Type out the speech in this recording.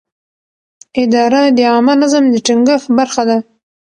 اداره د عامه نظم د ټینګښت برخه ده.